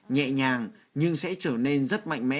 nhẹ nhàng nhưng sẽ trở nên rất mạnh mẽ